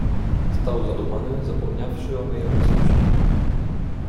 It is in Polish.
"Stał zadumany, zapomniawszy o mej obecności."